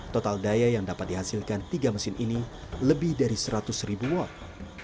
total daya yang dapat dihasilkan tiga mesin ini lebih dari seratus ribu watt